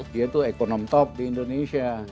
dia itu ekonom top di indonesia